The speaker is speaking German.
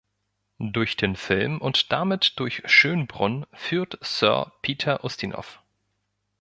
Durch den Film und damit durch Schönbrunn führt Sir Peter Ustinov.